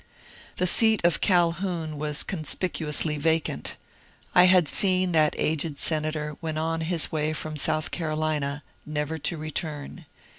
The seat of Calhoun was conspicuously vacant. I had seen that aged senator when on his way from South Carolina, never to return.